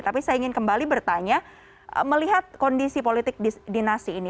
tapi saya ingin kembali bertanya melihat kondisi politik dinasti ini